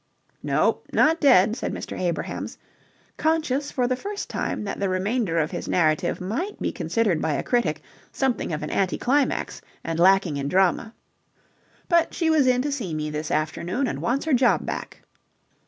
"No, not dead," said Mr. Abrahams, conscious for the first time that the remainder of his narrative might be considered by a critic something of an anti climax and lacking in drama. "But she was in to see me this afternoon and wants her job back."